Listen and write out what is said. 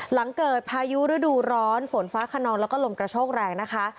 หลังเกิดพายุฤดูร้อนฝนฟ้าขนองแล้วก็ลมกระโชกแรงนะคะ